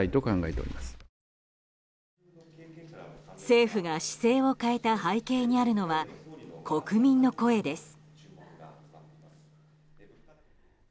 政府が姿勢を変えた背景にあるのは、国民の声です。